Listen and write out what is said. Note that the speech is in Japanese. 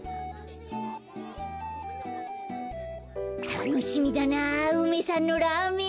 たのしみだな梅さんのラーメン。